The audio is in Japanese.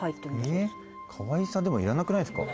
かわいさでも要らなくないですか？